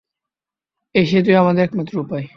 এই সেতুই আমাদের একমাত্র উপায়।